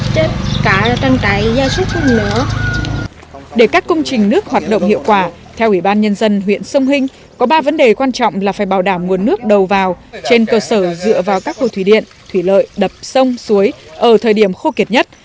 trong bảy xã vùng đồng bào dân tập thiểu số của huyện sông hinh có ba vấn đề quan trọng là phải bảo đảm nguồn nước đầu vào trên cơ sở dựa vào các hồ thủy điện thủy lợi đập sông suối ở thời điểm khô kiệt nhất